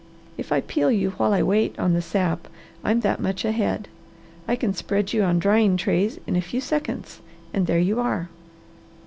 If I peel you while I wait on the sap I'm that much ahead. I can spread you on drying trays in a few seconds and there you are.